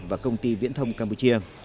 và công ty viễn thông campuchia